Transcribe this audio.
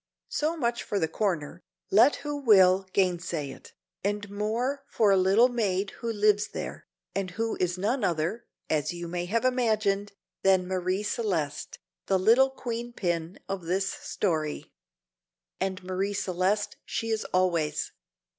So much for the corner let who will gainsay it and more for a little maid who lives there, and who is none other, as you may have imagined, than Marie Celeste, the little Queen Pin of this story. And Marie Celeste she is always.